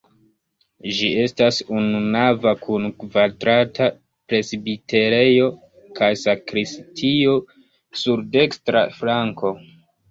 Ĝi estas ununava kun kvadrata presbiterejo kaj sakristio sur dekstra flanko.